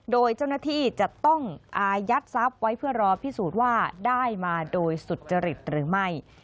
โดยเจ้าหน้าที่จะต้องอายัดทรัพย์ไว้เพื่อรอพิสูจน์ว่าได้มาโดยสุจริตหรือไม่